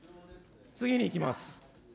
次にいきます。